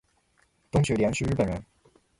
东雪莲是日本人